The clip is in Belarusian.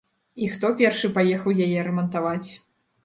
І хто першы паехаў яе рамантаваць?